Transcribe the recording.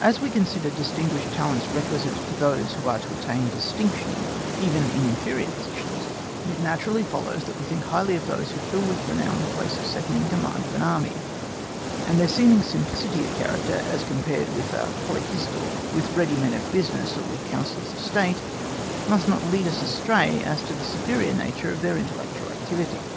As we consider distinguished talents requisite for those who are to attain distinction, even in inferior positions, it naturally follows that we think highly of those who fill with renown the place of Second in Command of an Army; and their seeming simplicity of character as compared with a polyhistor, with ready men of business, or with councillors of state, must not lead us astray as to the superior nature of their intellectual activity.